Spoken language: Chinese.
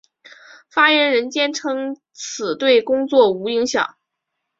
发言人坚称此对工作无影响。